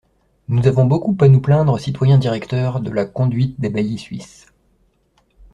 Nous avons beaucoup à nous plaindre, citoyens directeurs, de la conduite des baillis suisses.